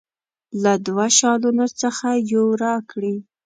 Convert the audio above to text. له دوه شالونو څخه یو راکړي.